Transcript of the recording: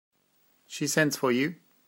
She sends for you.